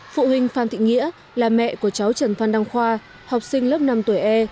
phụ huynh phan thị nghĩa là mẹ của cháu trần phan đăng khoa học sinh lớp năm tuổi e